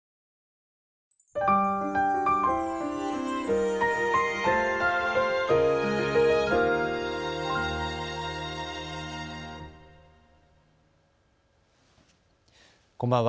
こんばんは。